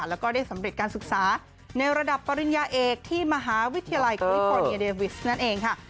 แล้วก็ได้สำเร็จการศึกษาในระดับปริญญาเอกที่มหาวิทยาลัยคลิฟอร์เนียเดวิสนั่นเองค่ะ